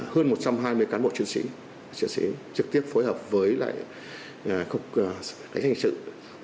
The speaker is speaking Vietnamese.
hơn một trăm hai mươi cán bộ chuyên sĩ chuyên sĩ trực tiếp phối hợp với lại cục công an thành trực